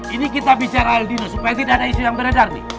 ini kita bicara al dino supaya tidak ada isu yang beredar